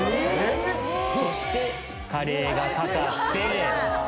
そしてカレーが掛かって。